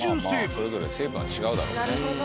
まあそれぞれ成分は違うだろうね。